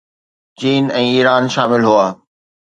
چين ۽ ايران شامل هئا